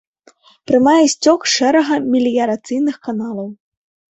Прымае сцёк з шэрага меліярацыйных каналаў.